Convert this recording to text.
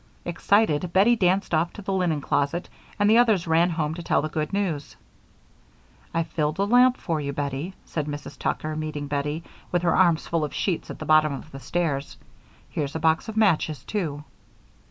Excited Bettie danced off to the linen closet and the others ran home to tell the good news. "I've filled a lamp for you, Bettie," said Mrs. Tucker, meeting Bettie, with her arms full of sheets at the bottom of the stairs. "Here's a box of matches, too."